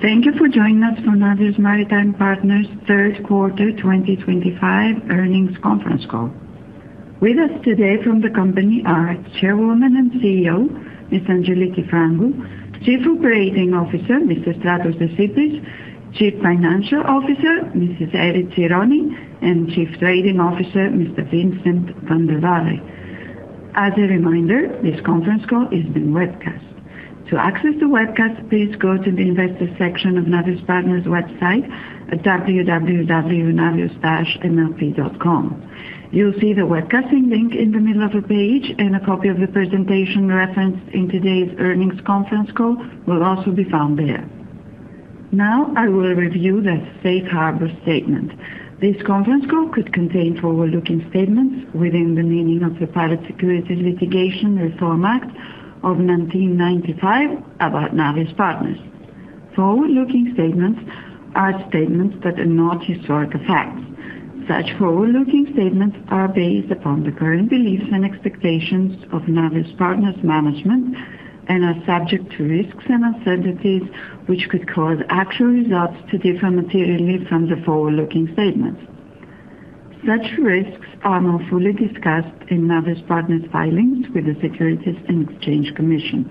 Thank you for joining us for Navios Maritime Partners' third quarter 2025 earnings conference call. With us today from the company are Chairwoman and CEO, Ms. Angeliki Frangou, Chief Operating Officer, Ms. Stratos Desypris, Chief Financial Officer, Ms. Eri Tsironi, and Chief Trading Officer, Mr. Vincent Vandewalle. As a reminder, this conference call is being webcast. To access the webcast, please go to the investor section of Navios Maritime Partners' website at www.navios-mlp.com. You'll see the webcasting link in the middle of the page, and a copy of the presentation referenced in today's earnings conference call will also be found there. Now, I will review the Safe Harbor Statement. This conference call could contain forward-looking statements within the meaning of the Private Securities Litigation Reform Act of 1995 about Navios Maritime Partners. Forward-looking statements are statements that are not historical facts. Such forward-looking statements are based upon the current beliefs and expectations of Navios Maritime Partners' management and are subject to risks and uncertainties which could cause actual results to differ materially from the forward-looking statements. Such risks are more fully discussed in Navios Maritime Partners' filings with the Securities and Exchange Commission.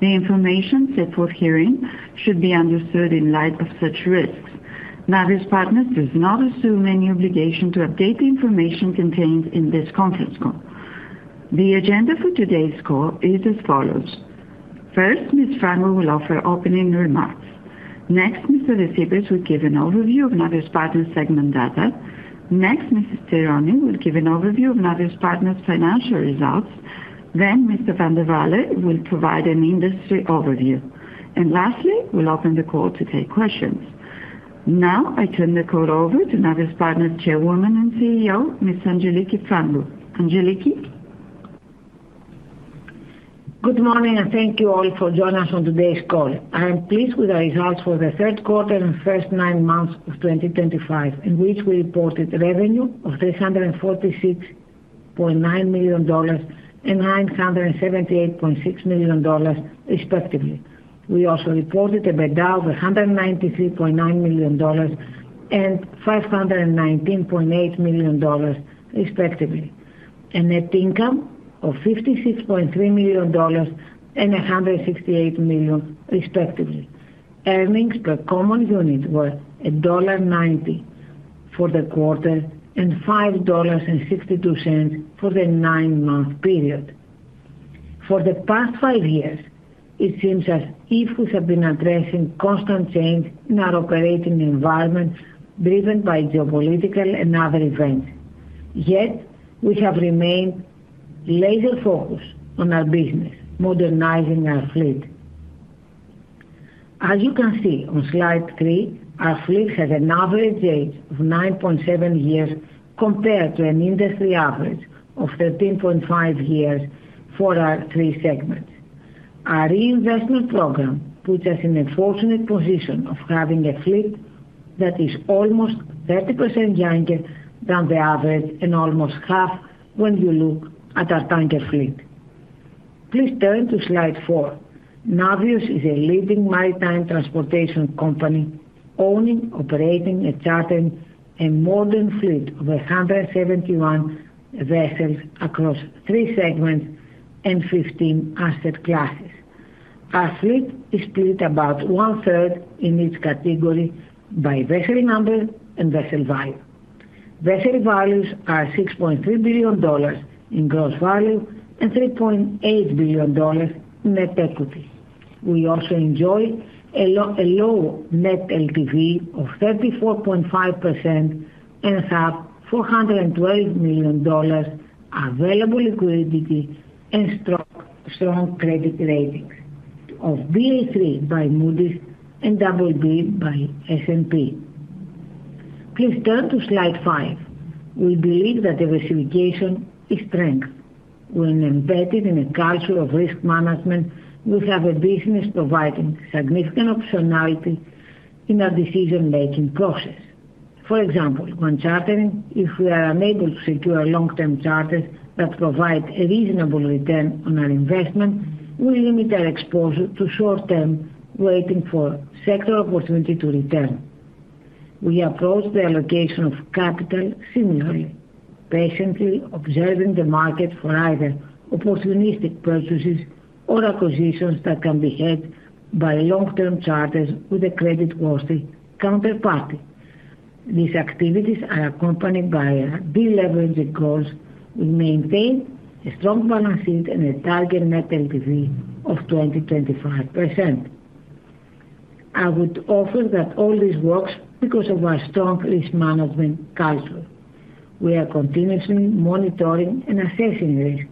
The information set forth herein should be understood in light of such risks. Navios Maritime Partners does not assume any obligation to update the information contained in this conference call. The agenda for today's call is as follows: first, Ms. Frangou will offer opening remarks. Next, Mr. Desypris will give an overview of Navios Maritime Partners' segment data. Next, Ms. Frangou will give an overview of Navios Maritime Partners' financial results. Then, Mr. Vandewalle will provide an industry overview. Lastly, we'll open the call to take questions. Now, I turn the call over to Navios Maritime Partners Chairwoman and CEO, Ms. Angeliki Frangou. Angeliki. Good morning, and thank you all for joining us on today's call. I am pleased with the results for the third quarter and first nine months of 2025, in which we reported revenue of $346.9 million and $978.6 million, respectively. We also reported EBITDA of $193.9 million and $519.8 million, respectively, and net income of $56.3 million and $168 million, respectively. Earnings per common unit were $1.90 for the quarter and $5.62 for the nine-month period. For the past five years, it seems as if we have been addressing constant change in our operating environment driven by geopolitical and other events. Yet, we have remained laser-focused on our business, modernizing our fleet. As you can see on slide three, our fleet has an average age of 9.7 years compared to an industry average of 13.5 years for our three segments. Our reinvestment program puts us in a fortunate position of having a fleet that is almost 30% younger than the average and almost half when you look at our tanker fleet. Please turn to slide four. Navios is a leading maritime transportation company owning, operating, and chartering a modern fleet of 171 vessels across three segments and 15 asset classes. Our fleet is split about one-third in each category by vessel number and vessel value. Vessel values are $6.3 billion in gross value and $3.8 billion in net equity. We also enjoy a low net LTV of 34.5% and have $412 million available liquidity and strong credit ratings of BA3 by Moody's and BB by S&P. Please turn to slide five. We believe that diversification is strength. When embedded in a culture of risk management, we have a business providing significant optionality in our decision-making process. For example, when chartering, if we are unable to secure long-term charters that provide a reasonable return on our investment, we limit our exposure to short-term waiting for sector opportunity to return. We approach the allocation of capital similarly, patiently observing the market for either opportunistic purchases or acquisitions that can be had by long-term charters with a credit-worthy counterparty. These activities are accompanied by deleveraging goals with maintained strong balance sheets and a target net LTV of 20.5%. I would offer that all this works because of our strong risk management culture. We are continuously monitoring and assessing risk.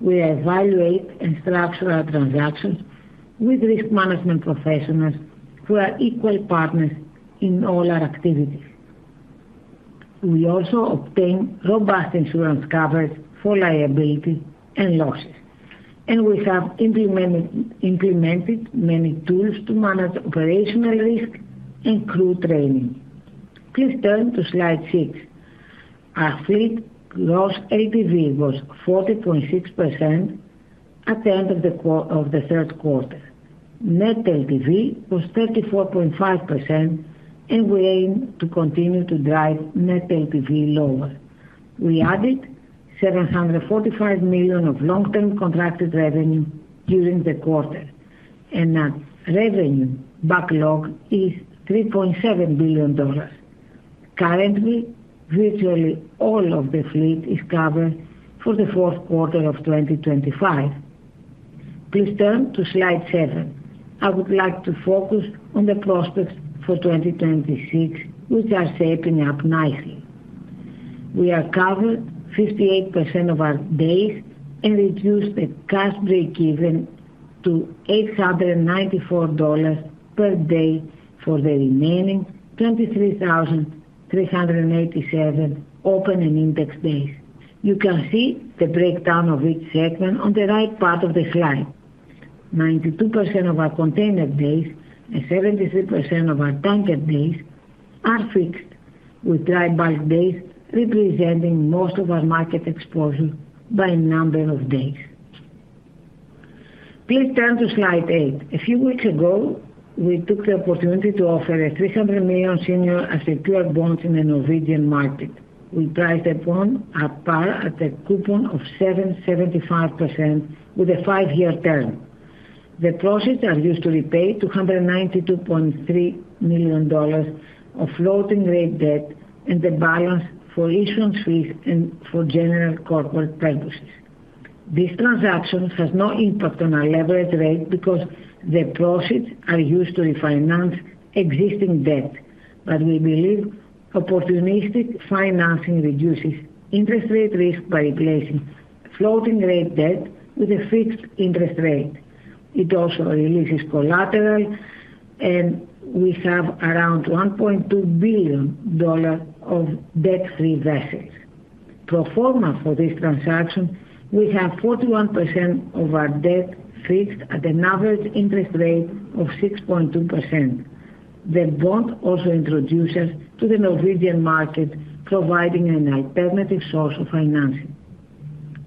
We evaluate and structure our transactions with risk management professionals who are equal partners in all our activities. We also obtain robust insurance coverage for liability and losses, and we have implemented many tools to manage operational risk and crew training. Please turn to slide six. Our fleet gross LTV was 40.6% at the end of the third quarter. Net LTV was 34.5%, and we aim to continue to drive net LTV lower. We added $745 million of long-term contracted revenue during the quarter, and our revenue backlog is $3.7 billion. Currently, virtually all of the fleet is covered for the fourth quarter of 2025. Please turn to slide seven. I would like to focus on the prospects for 2026, which are shaping up nicely. We are covered 58% of our days and reduced the cost break-even to $894 per day for the remaining 23,387 open and index days. You can see the breakdown of each segment on the right part of the slide. 92% of our container days and 73% of our tanker days are fixed, with dry bulk days representing most of our market exposure by number of days. Please turn to slide eight. A few weeks ago, we took the opportunity to offer a $300 million senior secured bond in the Norwegian market. We priced that bond at par at a coupon of 7.75% with a five-year term. The proceeds are used to repay $292.3 million of floating rate debt and the balance for issuance fees and for general corporate purposes. This transaction has no impact on our leverage rate because the proceeds are used to refinance existing debt, but we believe opportunistic financing reduces interest rate risk by replacing floating rate debt with a fixed interest rate. It also releases collateral, and we have around $1.2 billion of debt-free vessels. Pro forma for this transaction, we have 41% of our debt fixed at an average interest rate of 6.2%. The bond also introduces us to the Norwegian market, providing an alternative source of financing.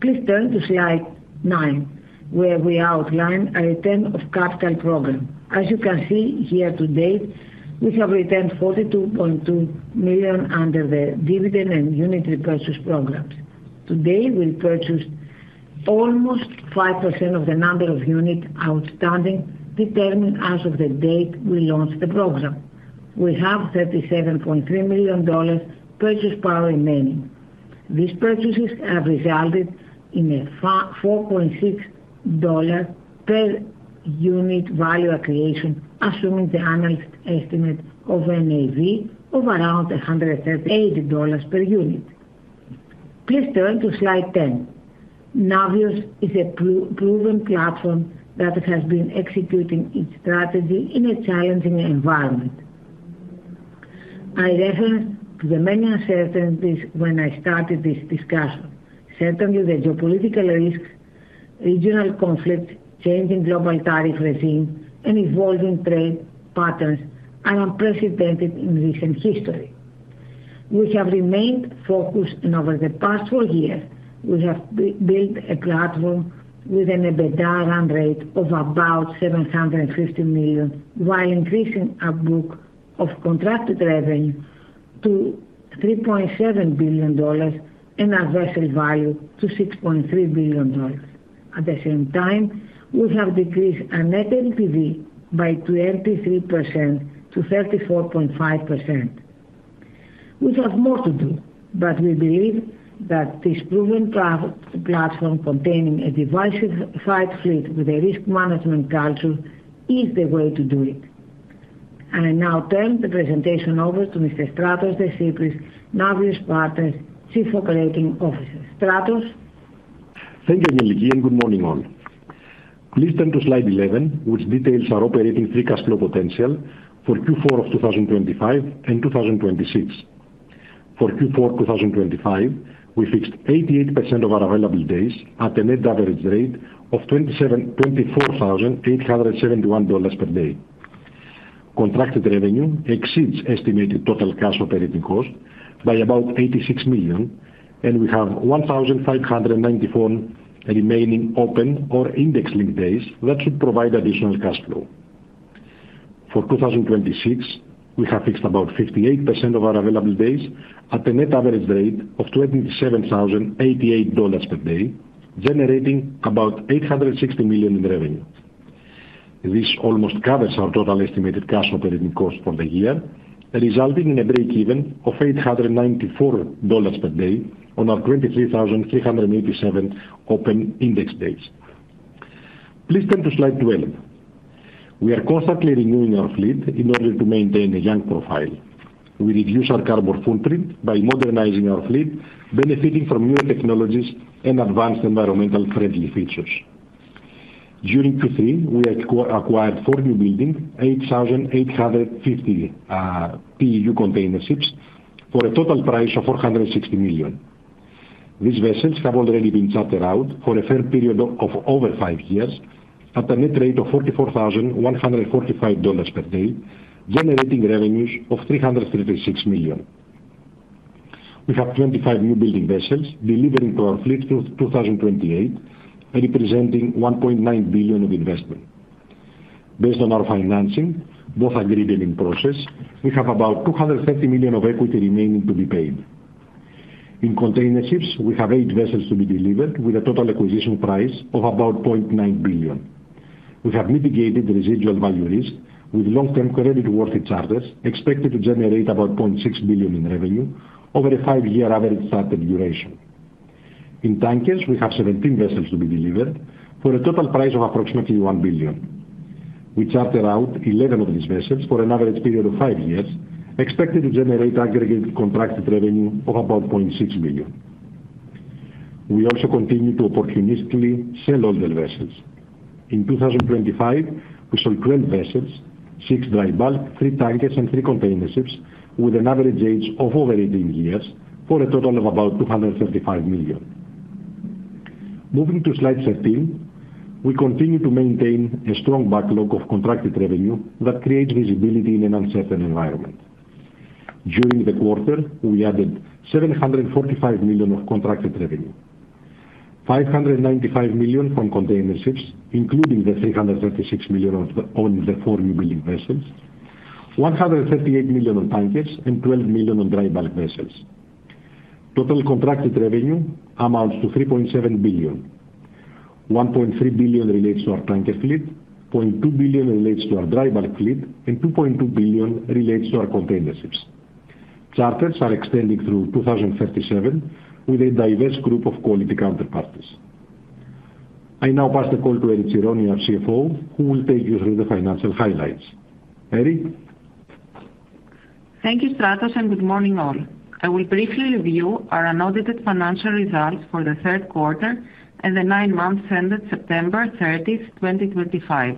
Please turn to slide nine, where we outline our return of capital program. As you can see here today, we have returned $42.2 million under the dividend and unit repurchase programs. Today, we purchased almost 5% of the number of units outstanding determined as of the date we launched the program. We have $37.3 million purchase power remaining. These purchases have resulted in a $4.6 per unit value accretion, assuming the analyst estimate of NAV of around $138 per unit. Please turn to slide ten. Navios is a proven platform that has been executing its strategy in a challenging environment. I reference to the many uncertainties when I started this discussion. Certainly, the geopolitical risks, regional conflicts, changing global tariff regime, and evolving trade patterns are unprecedented in recent history. We have remained focused in over the past four years. We have built a platform with a bed out run rate of about $750 million, while increasing our book of contracted revenue to $3.7 billion and our vessel value to $6.3 billion. At the same time, we have decreased our net LTV by 23%-34.5%. We have more to do, but we believe that this proven platform containing a diversified fleet with a risk management culture is the way to do it. I now turn the presentation over to Mr. Stratos Desypris, Navios Maritime Partners Chief Operating Officer. Stratos. Thank you, Angeliki, and good morning, all. Please turn to slide eleven, which details our operating fleet cash flow potential for Q4 of 2025 and 2026. For Q4 2025, we fixed 88% of our available days at a net average rate of $24,871 per day. Contracted revenue exceeds estimated total cash operating cost by about $86 million, and we have 1,594 remaining open or index link days that should provide additional cash flow. For 2026, we have fixed about 58% of our available days at a net average rate of $27,088 per day, generating about $860 million in revenue. This almost covers our total estimated cash operating cost for the year, resulting in a break-even of $894 per day on our 23,387 open index days. Please turn to slide twelve. We are constantly renewing our fleet in order to maintain a young profile. We reduce our carbon footprint by modernizing our fleet, benefiting from newer technologies and advanced environmentally friendly features. During Q3, we acquired four newbuilding 8,850 TEU container ships for a total price of $460 million. These vessels have already been chartered out for a firm period of over five years at a net rate of $44,145 per day, generating revenues of $336 million. We have 25 newbuilding vessels delivering to our fleet through 2028, representing $1.9 billion of investment. Based on our financing, both agreed and in process, we have about $230 million of equity remaining to be paid. In container ships, we have eight vessels to be delivered with a total acquisition price of about $900 million. We have mitigated residual value risk with long-term creditworthy charters expected to generate about $600 million in revenue over a five-year average charter duration. In tankers, we have 17 vessels to be delivered for a total price of approximately $1 billion. We charter out 11 of these vessels for an average period of five years, expected to generate aggregated contracted revenue of about $0.6 billion. We also continue to opportunistically sell older vessels. In 2025, we sold 12 vessels, six dry bulk, three tankers, and three container ships with an average age of over 18 years for a total of about $235 million. Moving to slide 13, we continue to maintain a strong backlog of contracted revenue that creates visibility in an uncertain environment. During the quarter, we added $745 million of contracted revenue, $595 million from container ships, including the $336 million on the four new building vessels, $138 million on tankers, and $12 million on dry bulk vessels. Total contracted revenue amounts to $3.7 billion. $1.3 billion relates to our tanker fleet, $0.2 billion relates to our dry bulk fleet, and $2.2 billion relates to our containerships. Charters are extending through 2037 with a diverse group of quality counterparties. I now pass the call to Eri Tsironi, our CFO, who will take you through the financial highlights. Erifili? Thank you, Stratos, and good morning, all. I will briefly review our annotated financial results for the third quarter and the nine months ended September 30, 2025.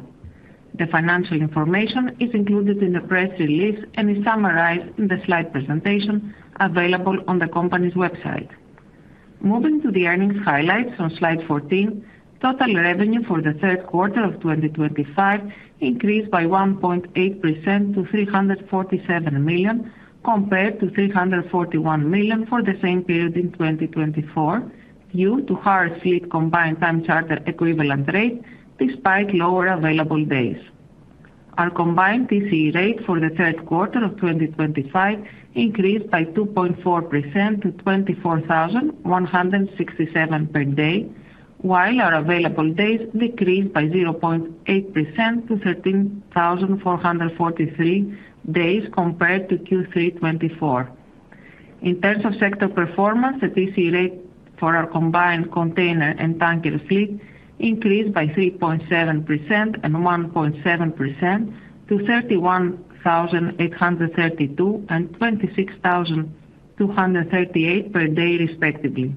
The financial information is included in the press release and is summarized in the slide presentation available on the company's website. Moving to the earnings highlights on slide 14, total revenue for the third quarter of 2025 increased by 1.8% to $347 million compared to $341 million for the same period in 2024 due to higher fleet combined time charter equivalent rate despite lower available days. Our combined TCE rate for the third quarter of 2025 increased by 2.4% to $24,167 per day, while our available days decreased by 0.8% to 13,443 days compared to Q3 2024. In terms of sector performance, the TCE rate for our combined container and tanker fleet increased by 3.7% and 1.7% to $31,832 and $26,238 per day, respectively.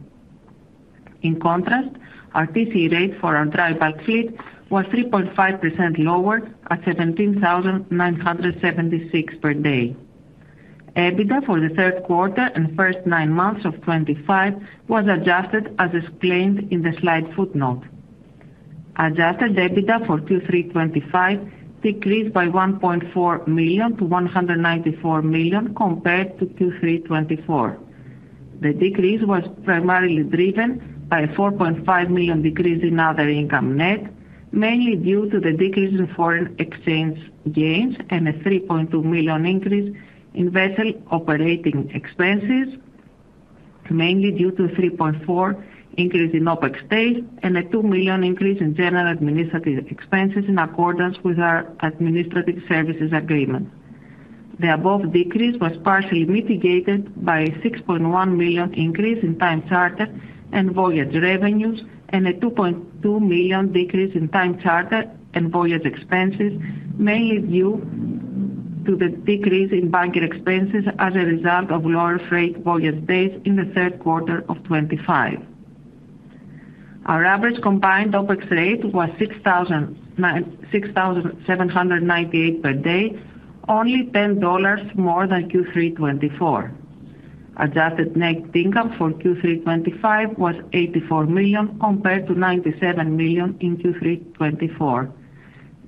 In contrast, our TCE rate for our dry bulk fleet was 3.5% lower at $17,976 per day. EBITDA for the third quarter and first nine months of 2025 was adjusted as explained in the slide footnote. Adjusted EBITDA for Q3 2025 decreased by $1.4 million to $194 million compared to Q3 2024. The decrease was primarily driven by a $4.5 million decrease in other income net, mainly due to the decrease in foreign exchange gains and a $3.2 million increase in vessel operating expenses, mainly due to a $3.4 million increase in OPEX stays and a $2 million increase in general administrative expenses in accordance with our administrative services agreement. The above decrease was partially mitigated by a $6.1 million increase in time charter and voyage revenues and a $2.2 million decrease in time charter and voyage expenses, mainly due to the decrease in bunker expenses as a result of lower freight voyage days in the third quarter of 2025. Our average combined OPEX rate was $6,798 per day, only $10 more than Q3 2024. Adjusted net income for Q3 2025 was $84 million compared to $97 million in Q3 2024.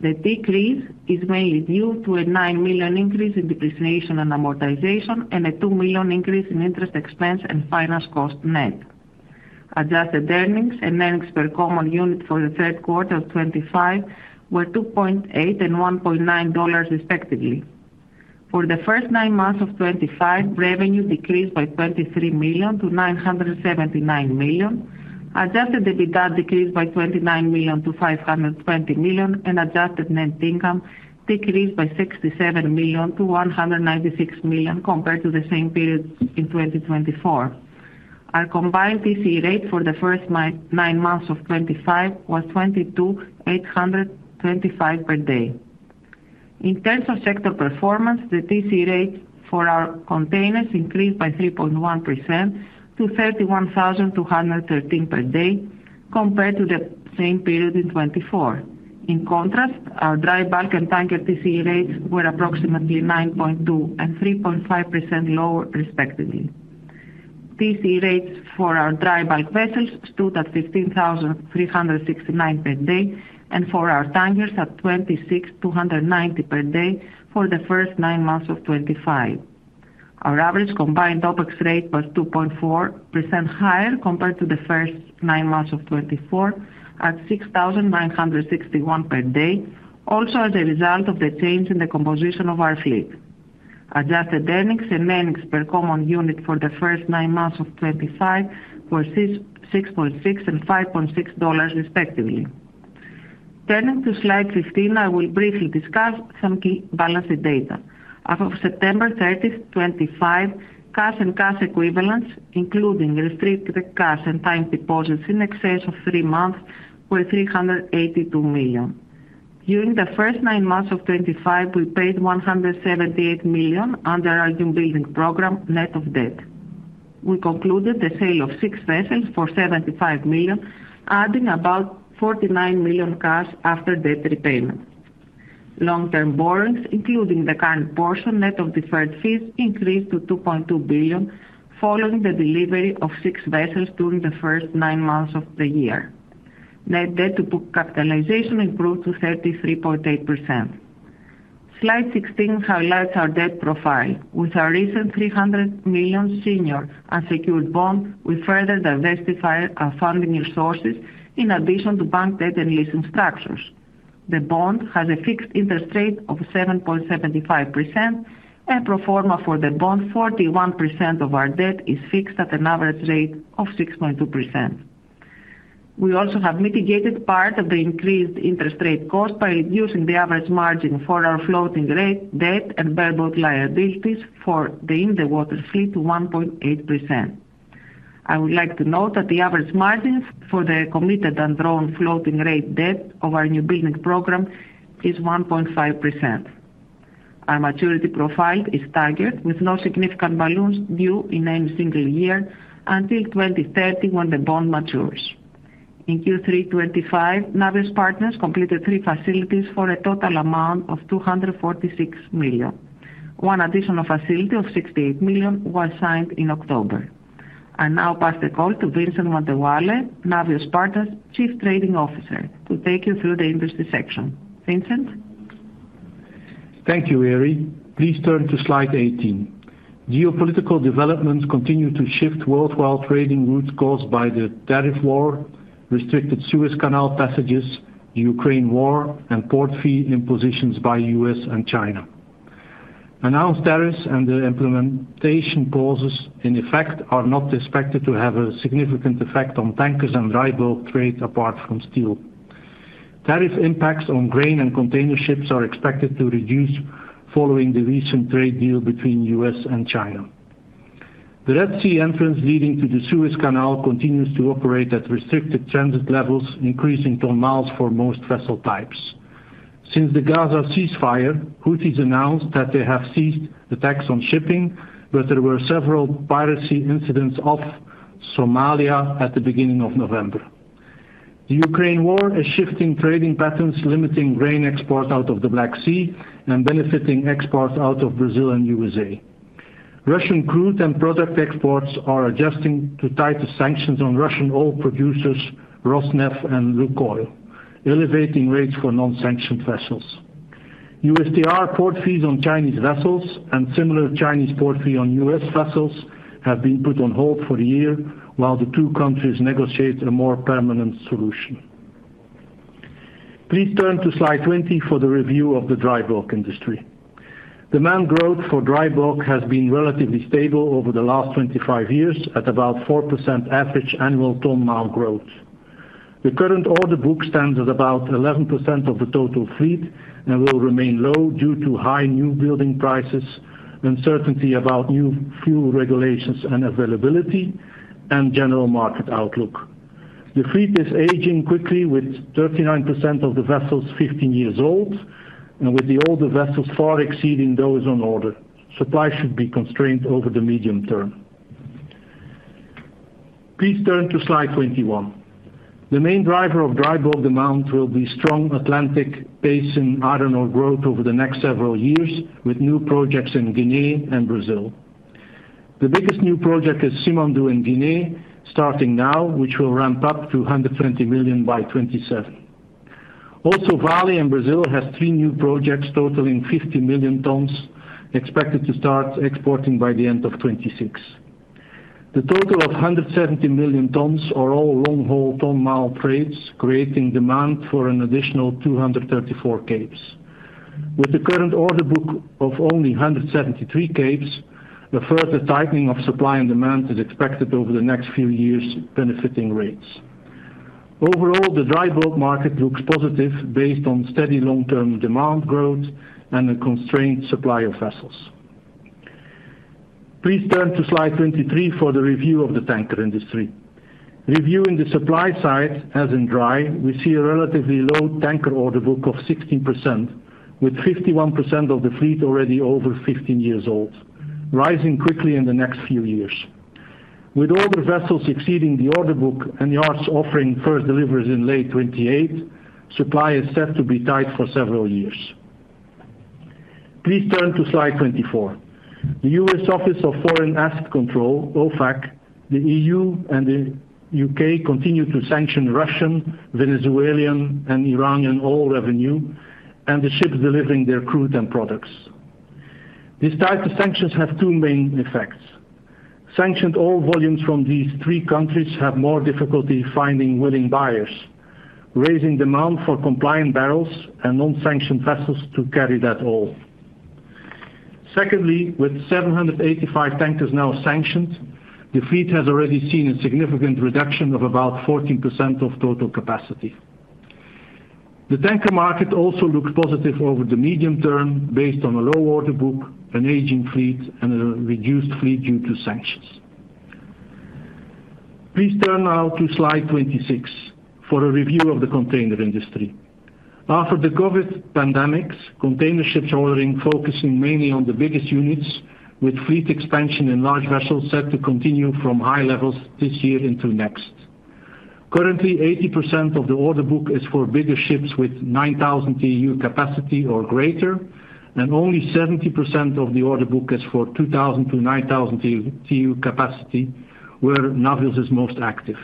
The decrease is mainly due to a $9 million increase in depreciation and amortization and a $2 million increase in interest expense and finance cost net. Adjusted earnings and earnings per common unit for the third quarter of 2025 were $2.8 and $1.9, respectively. For the first nine months of 2025, revenue decreased by $23 million to $979 million. Adjusted EBITDA decreased by $29 million to $520 million, and adjusted net income decreased by $67 million to $196 million compared to the same period in 2024. Our combined TCE rate for the first nine months of 2025 was $22,825 per day. In terms of sector performance, the TCE rate for our containers increased by 3.1% to $31,213 per day compared to the same period in 2024. In contrast, our dry bulk and tanker TCE rates were approximately 9.2% and 3.5% lower, respectively. TCE rates for our dry bulk vessels stood at $15,369 per day and for our tankers at $26,290 per day for the first nine months of 2025. Our average combined OPEX rate was 2.4% higher compared to the first nine months of 2024 at $6,961 per day, also as a result of the change in the composition of our fleet. Adjusted earnings and earnings per common unit for the first nine months of 2025 were $6.6 and $5.6, respectively. Turning to slide 15, I will briefly discuss some key balance data. As of September 30, 2025, cash and cash equivalents, including restricted cash and time deposits in excess of three months, were $382 million. During the first nine months of 2025, we paid $178 million under our new building program net of debt. We concluded the sale of six vessels for $75 million, adding about $49 million cash after debt repayment. Long-term borrowings, including the current portion net of deferred fees, increased to $2.2 billion following the delivery of six vessels during the first nine months of the year. Net debt to book capitalization improved to 33.8%. Slide 16 highlights our debt profile, with our recent $300 million senior unsecured bond, which further diversified our funding resources in addition to bank debt and leasing structures. The bond has a fixed interest rate of 7.75%, and proforma for the bond, 41% of our debt is fixed at an average rate of 6.2%. We also have mitigated part of the increased interest rate cost by reducing the average margin for our floating rate debt and bareboat liabilities for the in-the-water fleet to 1.8%. I would like to note that the average margin for the committed and drawn floating rate debt of our new building program is 1.5%. Our maturity profile is staggered, with no significant balloons due in any single year until 2030 when the bond matures. In Q3 2025, Navios Maritime Partners completed three facilities for a total amount of $246 million. One additional facility of $68 million was signed in October. I now pass the call to Vincent Vandewalle, Navios Maritime Partners Chief Trading Officer, to take you through the industry section. Vincent? Thank you, Eric. Please turn to slide 18. Geopolitical developments continue to shift worldwide trading routes caused by the tariff war, restricted Suez Canal passages, the Ukraine war, and port fee impositions by the US and China. Announced tariffs and the implementation pauses in effect are not expected to have a significant effect on tankers and dry bulk trade apart from steel. Tariff impacts on grain and containerships are expected to reduce following the recent trade deal between the US and China. The Red Sea entrance leading to the Suez Canal continues to operate at restricted transit levels, increasing tonnage for most vessel types. Since the Gaza ceasefire, Houthis announced that they have ceased attacks on shipping, but there were several piracy incidents off Somalia at the beginning of November. The Ukraine war is shifting trading patterns, limiting grain exports out of the Black Sea and benefiting exports out of Brazil and the United States. Russian crude and product exports are adjusting to tighter sanctions on Russian oil producers Rosneft and Lukoil, elevating rates for non-sanctioned vessels. USDR port fees on Chinese vessels and similar Chinese port fees on US vessels have been put on hold for a year, while the two countries negotiate a more permanent solution. Please turn to slide 20 for the review of the dry bulk industry. Demand growth for dry bulk has been relatively stable over the last 25 years at about 4% average annual tonnage growth. The current order book stands at about 11% of the total fleet and will remain low due to high new building prices, uncertainty about new fuel regulations and availability, and general market outlook. The fleet is aging quickly, with 39% of the vessels 15 years old and with the older vessels far exceeding those on order. Supply should be constrained over the medium term. Please turn to slide 21. The main driver of dry bulk demand will be strong Atlantic basin iron ore growth over the next several years, with new projects in Guinea and Brazil. The biggest new project is Simandou in Guinea, starting now, which will ramp up to 120 million tons by 2027. Also, Vali in Brazil has three new projects totaling 50 million tons expected to start exporting by the end of 2026. The total of 170 million tons are all long-haul tonnage trades, creating demand for an additional 234 capes. With the current order book of only 173 capes, a further tightening of supply and demand is expected over the next few years, benefiting rates. Overall, the dry bulk market looks positive based on steady long-term demand growth and a constrained supply of vessels. Please turn to slide 23 for the review of the tanker industry. Reviewing the supply side, as in dry, we see a relatively low tanker order book of 16%, with 51% of the fleet already over 15 years old, rising quickly in the next few years. With all the vessels exceeding the order book and yards offering first deliveries in late 2028, supply is set to be tight for several years. Please turn to slide 24. The U.S. Office of Foreign Asset Control, OFAC, the EU, and the U.K. continue to sanction Russian, Venezuelan, and Iranian oil revenue and the ships delivering their crude and products. These types of sanctions have two main effects. Sanctioned oil volumes from these three countries have more difficulty finding willing buyers, raising demand for compliant barrels and non-sanctioned vessels to carry that oil. Secondly, with 785 tankers now sanctioned, the fleet has already seen a significant reduction of about 14% of total capacity. The tanker market also looks positive over the medium term based on a low order book, an aging fleet, and a reduced fleet due to sanctions. Please turn now to slide 26 for a review of the container industry. After the COVID pandemic, container ships are ordering, focusing mainly on the biggest units, with fleet expansion in large vessels set to continue from high levels this year into next. Currently, 80% of the order book is for bigger ships with 9,000 TEU capacity or greater, and only 70% of the order book is for 2,000-9,000 TEU capacity, where Navios is most active.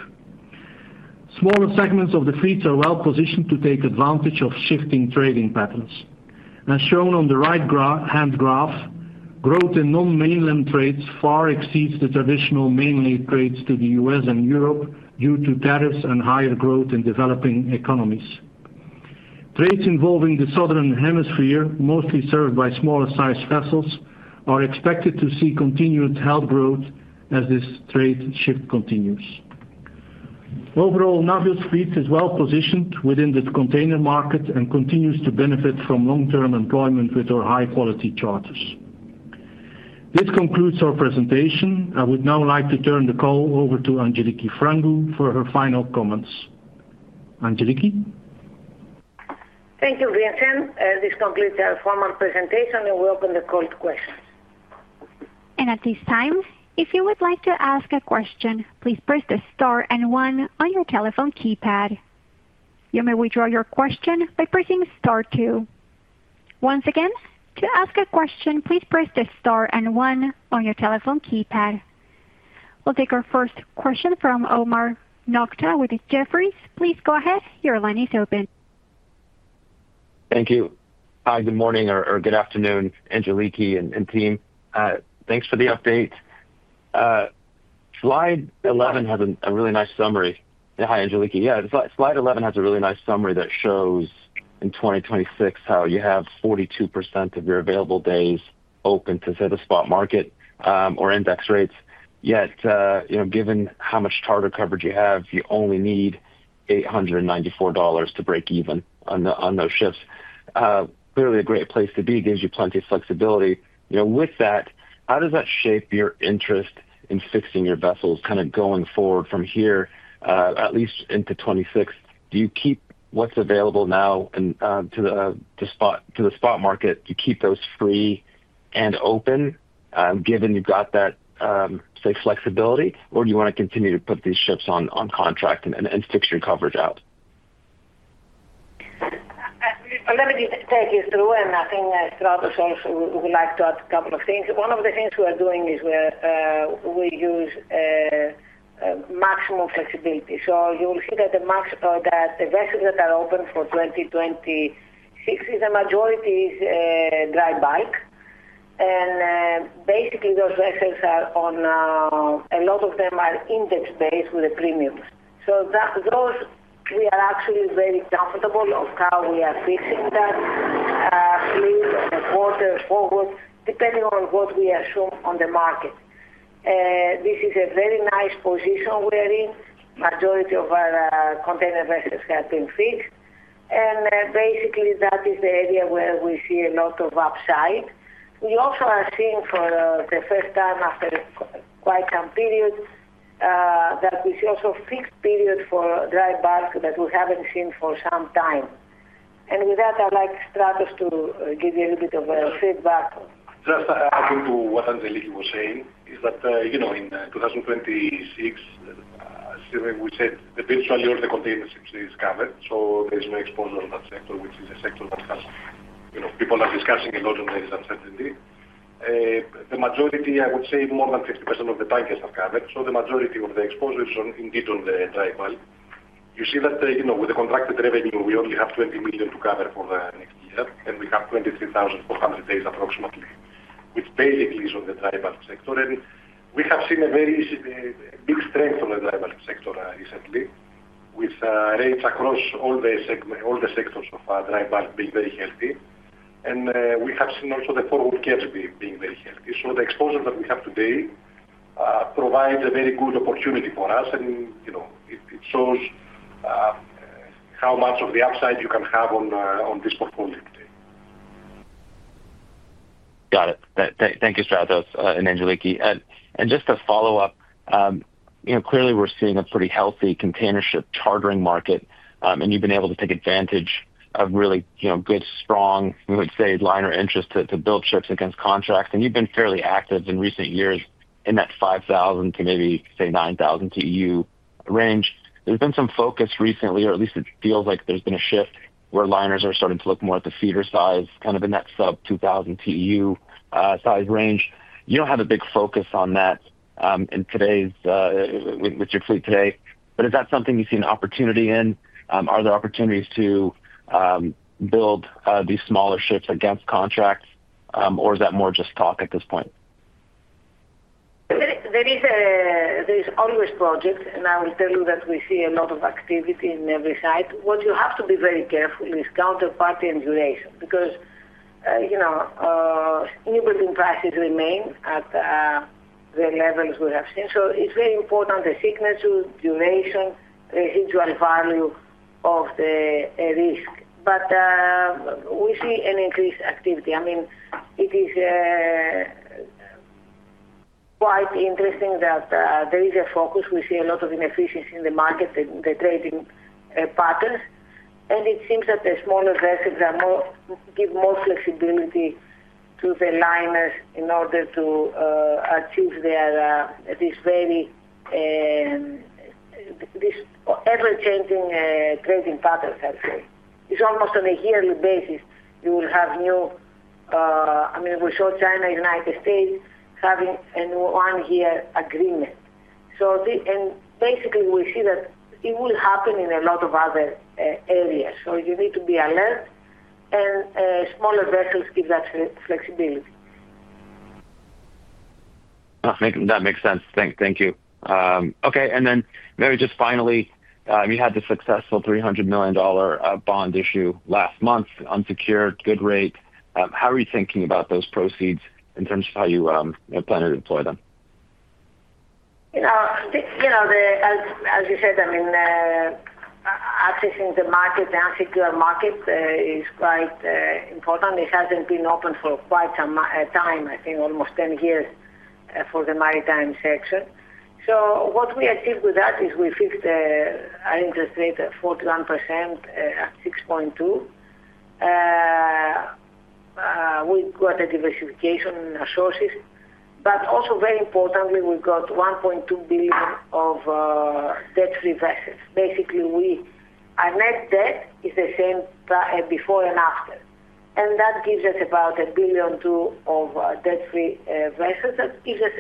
Smaller segments of the fleets are well positioned to take advantage of shifting trading patterns. As shown on the right-hand graph, growth in non-mainland trades far exceeds the traditional mainland trades to the U.S. and Europe due to tariffs and higher growth in developing economies. Trades involving the southern hemisphere, mostly served by smaller-sized vessels, are expected to see continued held growth as this trade shift continues. Overall, Navios Fleet is well positioned within the container market and continues to benefit from long-term employment with our high-quality charters. This concludes our presentation. I would now like to turn the call over to Angeliki Frangou for her final comments. Angeliki? Thank you, Vincent. This concludes our formal presentation, and we open the call to questions. At this time, if you would like to ask a question, please press the star and one on your telephone keypad. You may withdraw your question by pressing star two. Once again, to ask a question, please press the star and one on your telephone keypad. We will take our first question from Omar Nokta with Jefferies. Please go ahead. Your line is open. Thank you. Hi, good morning or good afternoon, Angeliki and team. Thanks for the update. Slide 11 has a really nice summary. Hi, Angeliki. Yeah, slide 11 has a really nice summary that shows in 2026 how you have 42% of your available days open to, say, the spot market or index rates. Yet, given how much charter coverage you have, you only need $894 to break even on those ships. Clearly, a great place to be gives you plenty of flexibility. With that, how does that shape your interest in fixing your vessels kind of going forward from here, at least into 2026? Do you keep what's available now to the spot market? Do you keep those free and open given you've got that, say, flexibility, or do you want to continue to put these ships on contract and fix your coverage out? Let me just take you through, and I think Travelers will like to add a couple of things. One of the things we are doing is we use maximum flexibility. You will see that the vessels that are open for 2026, the majority is dry bulk. Basically, those vessels are, a lot of them are index-based with the premiums. We are actually very comfortable with how we are fixing that fleet and quarter forward, depending on what we assume on the market. This is a very nice position we are in. The majority of our container vessels have been fixed. Basically, that is the area where we see a lot of upside. We also are seeing for the first time after quite some period that we see also fixed period for dry bulk that we have not seen for some time. With that, I'd like Stratos to give you a little bit of feedback. Just to add to what Angeliki was saying, is that in 2026, assuming we said eventually all the containership is covered, so there's no exposure on that sector, which is a sector that has people are discussing a lot on the uncertainty. The majority, I would say more than 50% of the tankers are covered. So the majority of the exposure is indeed on the dry bulk. You see that with the contracted revenue, we only have $20 million to cover for the next year, and we have 23,400 days approximately, which basically is on the dry bulk sector. We have seen a very big strength on the dry bulk sector recently, with rates across all the sectors of dry bulk being very healthy. We have seen also the forward caps being very healthy. The exposure that we have today provides a very good opportunity for us, and it shows how much of the upside you can have on this portfolio today. Got it. Thank you, Stratos and Angeliki. Just to follow up, clearly, we're seeing a pretty healthy containership chartering market, and you've been able to take advantage of really good, strong, we would say, liner interest to build ships against contracts. You've been fairly active in recent years in that 5,000 to maybe, say, 9,000 TEU range. There's been some focus recently, or at least it feels like there's been a shift where liners are starting to look more at the feeder size, kind of in that sub-2,000 TEU size range. You don't have a big focus on that with your fleet today, but is that something you see an opportunity in? Are there opportunities to build these smaller ships against contracts, or is that more just talk at this point? There is always projects, and I will tell you that we see a lot of activity in every site. What you have to be very careful is counterparty and duration because new building prices remain at the levels we have seen. It is very important, the signature, duration, residual value of the risk. We see increased activity. I mean, it is quite interesting that there is a focus. We see a lot of inefficiency in the market, the trading patterns. It seems that the smaller vessels give more flexibility to the liners in order to achieve this very ever-changing trading pattern, I'd say. It is almost on a yearly basis you will have new, I mean, we saw China-United States having a new one-year agreement. Basically, we see that it will happen in a lot of other areas. You need to be alert, and smaller vessels give that flexibility. That makes sense. Thank you. Okay. And then maybe just finally, you had the successful $300 million bond issue last month, unsecured, good rate. How are you thinking about those proceeds in terms of how you plan to deploy them? As you said, I mean, accessing the market, the unsecured market, is quite important. It has not been open for quite some time, I think almost 10 years for the maritime section. What we achieved with that is we fixed our interest rate at 4.1% at 6.2. We got a diversification in our sources. Also, very importantly, we got $1.2 billion of debt-free vessels. Basically, our net debt is the same before and after. That gives us about $1 billion or $2 billion of debt-free vessels. That gives us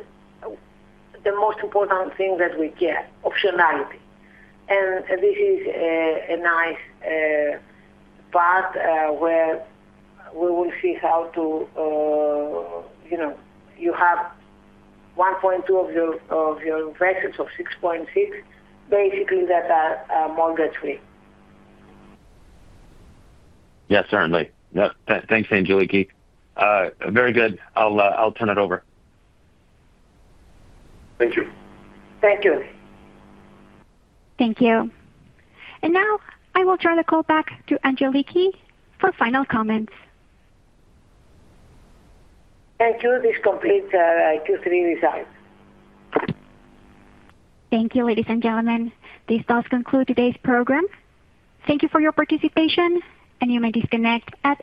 the most important thing that we care, optionality. This is a nice part where we will see how you have $1.2 billion of your vessels or $6.6 billion, basically, that are mortgage-free. Yes, certainly. Thanks, Angeliki. Very good. I'll turn it over. Thank you. Thank you. Thank you. I will turn the call back to Angeliki for final comments. Thank you. This completes our Q3 results. Thank you, ladies and gentlemen. This does conclude today's program. Thank you for your participation, and you may disconnect at this time.